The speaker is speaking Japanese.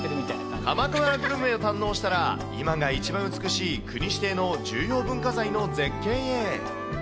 鎌倉グルメを堪能したら、今が一番美しい国指定の重要文化財の絶景へ。